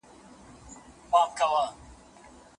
مالداري برخه باید پیاوړې شي.